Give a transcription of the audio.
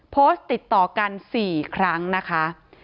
โพสต์ติดต่อกัน๔ครั้งนะคะ